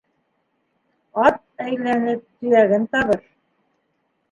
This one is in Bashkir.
Ат әйләнеп төйәген табыр